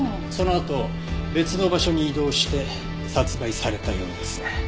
そのあと別の場所に移動して殺害されたようですね。